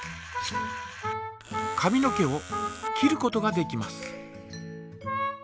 髪の毛を切ることができます。